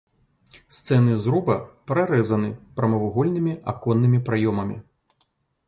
Сцены зруба прарэзаны прамавугольнымі аконнымі праёмамі.